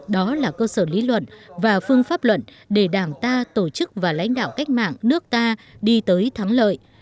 đó là cơ sở lý luận và phương pháp luận để đảng ta tổ chức và lãnh đạo cách mạng nước ta đi tới thắng lợi